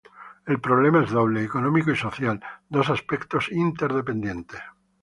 El problema es doble: económico y social, dos aspectos interdependientes.